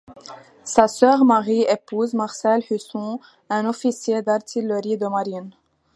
Sa sœur Marie épouse Marcel Husson, un officier d'artillerie de marine.